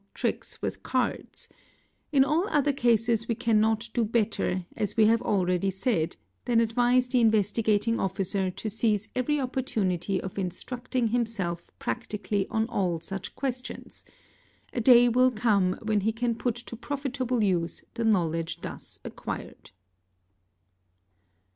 tricks with cards; in all other cases we cannot do better, as we have already said, than advise the Investigating Officer to seize every opportunity of instructing himself practically on all such questions: a day will come when he can put to profitable use the knowledge thus acquired.